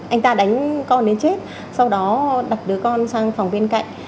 anh ta đánh con đến chết sau đó đặt đứa con sang phòng bên cạnh